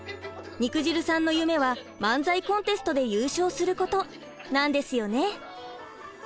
肉汁さんの夢は漫才コンテストで優勝することなんですよね。